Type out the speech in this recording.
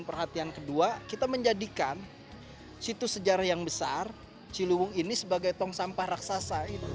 perhatian kedua kita menjadikan situs sejarah yang besar ciliwung ini sebagai tong sampah raksasa